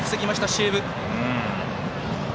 シェーブ。